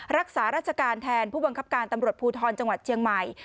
รักษาราชการแทนผู้บังคับการตำรวจภูทรจังหวัดเชียงใหม่